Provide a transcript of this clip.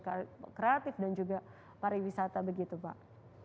kreatif dan juga pariwisata begitu pak